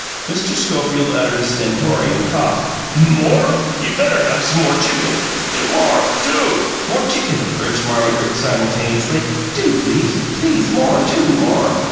Mr. Schofield uttered a stentorian cough. "More? You'd better have some more chicken! More! Do!" "More chicken!" urged Margaret simultaneously. "Do please! Please! More! Do! More!"